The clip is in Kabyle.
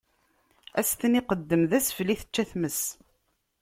Ad s-ten-iqeddem d asfel i tečča tmes.